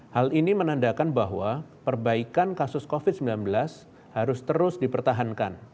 hal ini menandakan bahwa perbaikan kasus covid sembilan belas harus terus dipertahankan